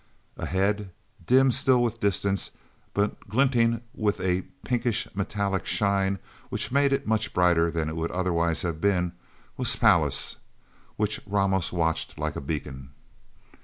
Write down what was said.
Ahead, dim still with distance, but glinting with a pinkish, metallic shine which made it much brighter than it would otherwise have been, was Pallas, which Ramos watched like a beacon.